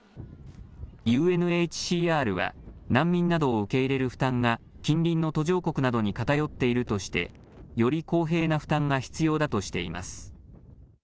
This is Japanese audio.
ＵＮＨＣＲは難民などを受け入れる負担が近隣の途上国などに偏っているとしてより公平な負担が必要だとしています。